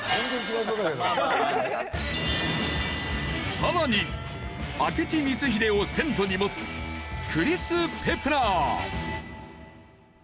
さらに明智光秀を先祖に持つクリス・ペプラー。